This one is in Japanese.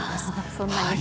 そんなに。